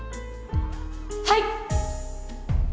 はい！